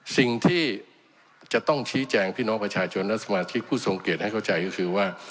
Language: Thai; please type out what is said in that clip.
สิ่งที่จะต้องชี้แจงพี่น้องประชาชนและสมาธิผู้ทรงเกียจให้เข้าใจก็คือว่า